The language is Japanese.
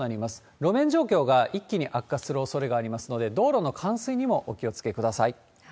路面状況が一気に悪化するおそれがありますので、道路の冠水にもお気をつけください。